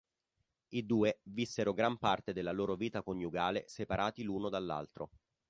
I due vissero gran parte della loro vita coniugale separati l'uno dall'altro.